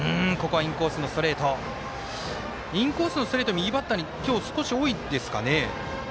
インコースのストレート右バッターに今日、少し多いですかね。